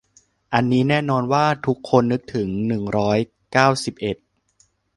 อันนี้แน่นอนว่าทุกคนนึกถึง หนึ่งร้อยเก้าสิบเอ็ด